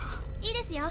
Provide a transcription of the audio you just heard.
いいですよ。